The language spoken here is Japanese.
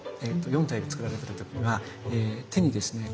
４体で造られてる時には手にですね